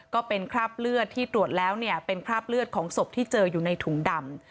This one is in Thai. ก็เป็นคราบเลือดที่ตรวจแล้วเนี่ยเป็นคราบเลือดของศพที่เจออยู่ในถุงดำ